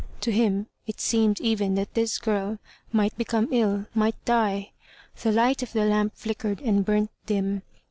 To him it seemed even that this girl might become ill, might die! The light of the lamp flickered and burnt dim.